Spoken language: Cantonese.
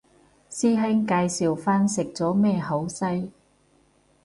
師兄介紹返食咗咩好西